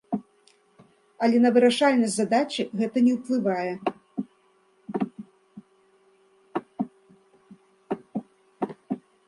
Але на вырашальнасць задачы гэта не ўплывае!